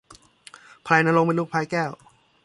พลายณรงค์เป็นลูกพลายแก้ว